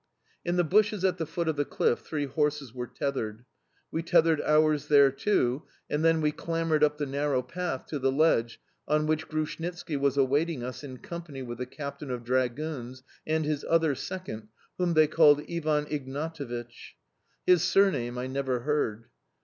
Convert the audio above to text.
In the bushes at the foot of the cliff three horses were tethered; we tethered ours there too, and then we clambered up the narrow path to the ledge on which Grushnitski was awaiting us in company with the captain of dragoons and his other second, whom they called Ivan Ignatevich. His surname I never heard.